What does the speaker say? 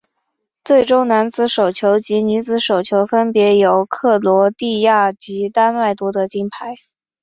最终男子手球及女子手球分别由克罗地亚及丹麦夺得金牌。